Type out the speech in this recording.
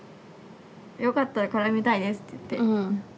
「よかったら絡みたいです」って言ってそ